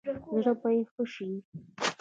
زړه به يې ښه شي.